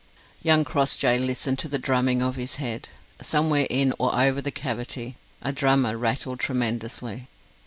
Young Crossjay listened to the drumming of his head. Somewhere in or over the cavity a drummer rattled tremendously.